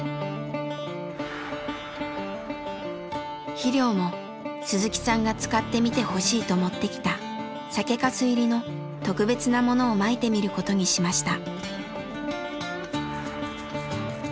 肥料も鈴木さんが使ってみてほしいと持ってきた酒かす入りの特別なものをまいてみることにしました。